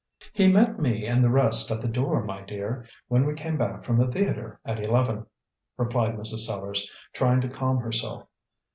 "He met me and the rest at the door, my dear, when we came back from the theatre at eleven," replied Mrs. Sellars, trying to calm herself.